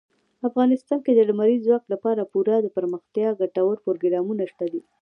افغانستان کې د لمریز ځواک لپاره پوره دپرمختیا ګټور پروګرامونه شته دي.